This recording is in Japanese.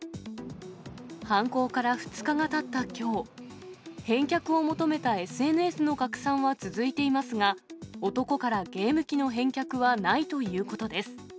犯行から２日がたったきょう、返却を求めたＳＮＳの拡散は続いていますが、男からゲーム機の返却はないということです。